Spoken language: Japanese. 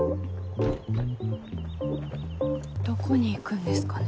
どこに行くんですかね。